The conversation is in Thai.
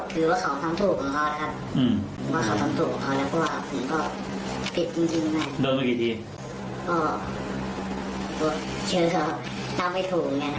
พอเสื้อก็น้ำไม่ถูก